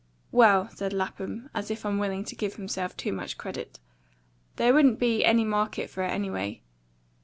Well," said Lapham, as if unwilling to give himself too much credit, "there wouldn't been any market for it, anyway.